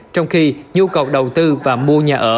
trong khi nhu cầu đầu tư và mua nhà ở